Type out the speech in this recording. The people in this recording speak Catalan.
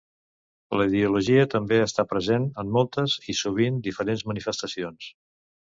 La ideologia també està present en moltes i sovint diferents manifestacions.